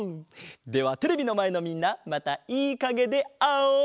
ではテレビのまえのみんなまたいいかげであおう！